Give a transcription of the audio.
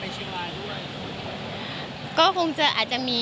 คุณก็ไม่รู้อาจจะถืออะไรอย่างนี้